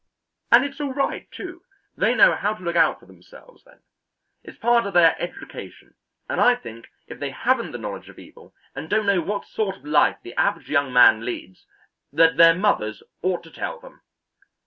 And it's all right, too; they know how to look out for themselves, then. It's part of their education; and I think if they haven't the knowledge of evil, and don't know what sort of life the average young man leads, that their mothers ought to tell them."